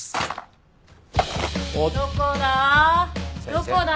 どこだ？